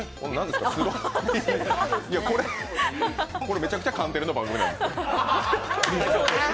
めちゃくちゃ関テレの番組なんですよ。